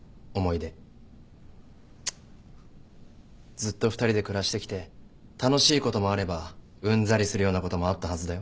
ずっと２人で暮らしてきて楽しいこともあればうんざりするようなこともあったはずだよ。